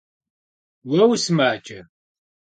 Vue vusımace?